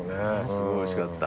すごいおいしかった。